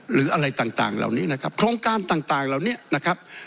หรืออะไรต่างเหล่านี้นะครับโครงการต่างเหล่านี้นะครับ